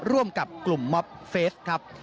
ร่วมกับกลุ่มมอบเฟสครับ